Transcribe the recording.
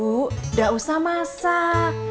udah usah masak